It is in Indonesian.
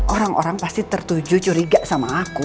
orang orang pasti tertuju curiga sama aku